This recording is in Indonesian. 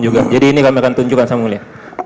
juga jadi ini kami akan tunjukkan sama mulia